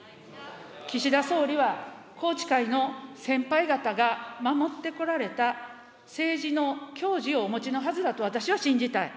岸田総理は宏池会の先輩方が守ってこられた政治のきょうじをお持ちのはずだと、私は信じたい。